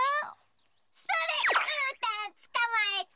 それっうーたんつかまえた！